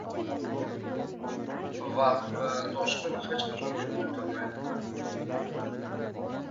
• Vaqt va toshqin hech qachon kutib o‘tirmaydi.